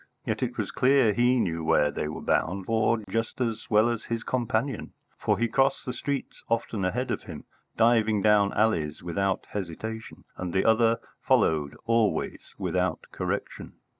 Yet it was clear he knew where they were bound for just as well as his companion, for he crossed the streets often ahead of him, diving down alleys without hesitation, and the other followed always without correction.